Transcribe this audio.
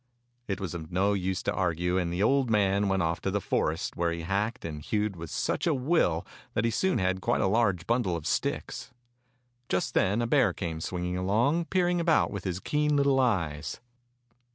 It was of no use to argue, and the old man went ofiF to the forest where he hacked and Fairy Tale Bears 103 hewed with such a will that he soon had quite a large bundle of sticks. Just then a bear came swinging along, peering about with his keen little eyes.